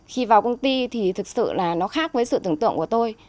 khi vào công ty thì thực sự là nó khác với sự tưởng tượng của tôi